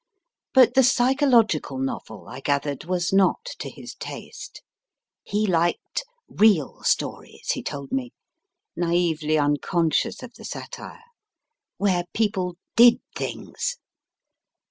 But the psychological novel, I gathered, was not to his taste. He liked real stories, he told me, naively unconscious of the satire, where people did things.